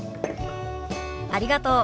ありがとう。